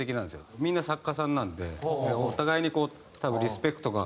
みんな作家さんなんでお互いにこう多分リスペクトが。